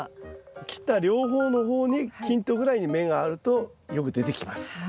切った両方の方に均等ぐらいに芽があるとよく出てきます。